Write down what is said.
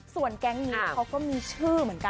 ส่วนแกรงนี้เขาก็มีชื่อ